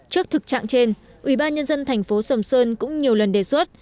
trước thực trạng trên ubnd tp sầm sơn cũng nhiều lần đề xuất